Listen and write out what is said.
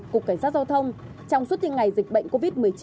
cục cảnh sát giao thông trong suốt thi ngày dịch bệnh covid một mươi chín